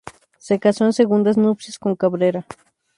Se casó en segundas nupcias con Cabrera.